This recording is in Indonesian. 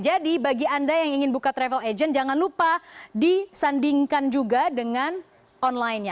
jadi bagi anda yang ingin buka travel agent jangan lupa disandingkan juga dengan onlinenya